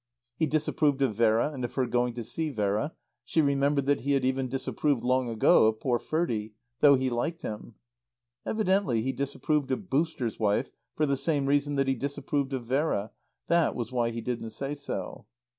He disapproved of Vera and of her going to see Vera; she remembered that he had even disapproved, long ago, of poor Ferdie, though he liked him. Evidently he disapproved of "Booster's" wife for the same reason that he disapproved of Vera. That was why he didn't say so.